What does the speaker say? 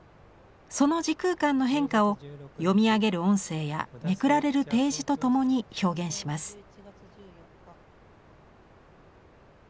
その時空間の変化を読み上げる音声やめくられるページとともに表現します。